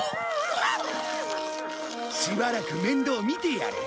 しばらく面倒見てやる。